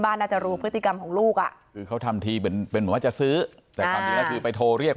บ้านจะรู้พฤติกรรมของลูกอ่ะเขาทำทีเป็นว่าจะซื้อไปโทรเรียก